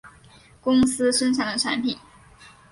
公司生产的产品